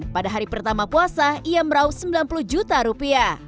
pada hari pertama puasa ia meraup rp sembilan puluh